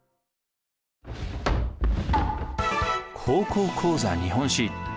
「高校講座日本史」。